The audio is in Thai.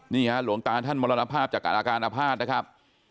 นี่ฮะหลวงตาท่านมรณภาพจากการอาการอภาษณ์นะครับ